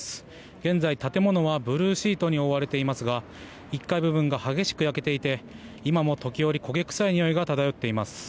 現在建物はブルーシートにおおわれていますが１階部分が激しく焼けていて今も時折焦げ臭いにおいが漂っています。